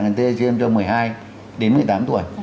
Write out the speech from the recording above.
cần tê tiêm cho một mươi hai đến một mươi tám tuổi